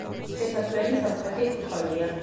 შესასვლელი სამხრეთით ჰქონია.